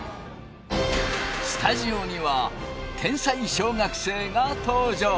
スタジオには天才小学生が登場！